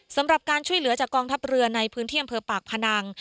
สำหรับการช่วยเหลือจากกองทัพเรือในพื้นที่อำเภอปากพนัง